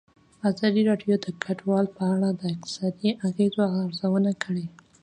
ازادي راډیو د کډوال په اړه د اقتصادي اغېزو ارزونه کړې.